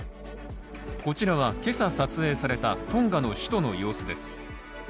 こちらは今朝撮影されたトンガの首都の様子です。